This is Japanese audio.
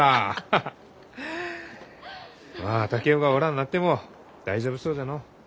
まあ竹雄がおらんなっても大丈夫そうじゃのう。